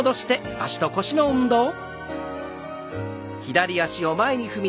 脚と腰の運動です。